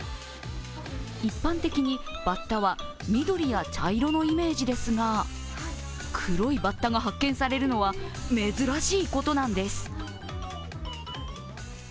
一般的に、バッタは緑や茶色のイメージですが黒いバッタが発見されるのは珍しいことなんです。